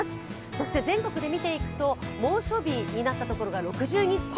そして全国で見ていくと、猛暑日になったところが６２地点。